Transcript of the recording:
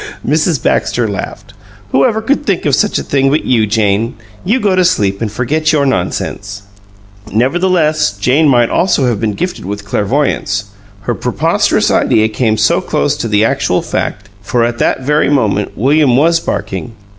Mrs. Baxter laughed. "Who ever could think of such a thing but you, Jane! You go to sleep and forget your nonsense!" Nevertheless, Jane might almost have been gifted with clairvoyance, her preposterous idea came so close to the actual fact, for at that very moment William was barking.